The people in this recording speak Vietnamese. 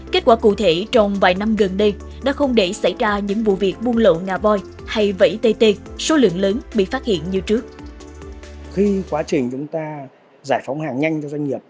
kết quả cụ thể trong vài năm gần đây đã không để xảy ra những vụ việc buôn lộ ngà voi hay vẫy tê tê số lượng lớn bị phát hiện như trước